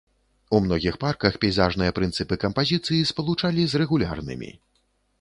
У многіх парках пейзажныя прынцыпы кампазіцыі спалучалі з рэгулярнымі.